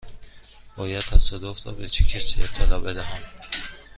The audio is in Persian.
باید تصادف را به چه کسی اطلاع بدهم؟